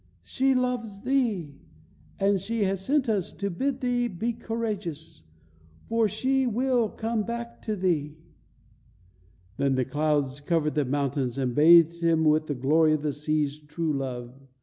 "She loves thee, and she has sent us to bid thee be courageous, for she will come back to thee." Then the clouds covered the mountain and bathed him with the glory of the sea's true love.